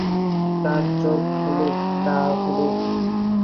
তাঁর চোখ হলুদ, গা হলুদ।